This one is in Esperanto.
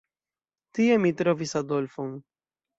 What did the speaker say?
Tie mi trovis Adolfon.